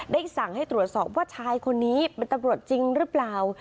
ได้สั่งให้ตรวจสอบว่าชายคนนี้เป็นตำรวจจริงหรือเปล่า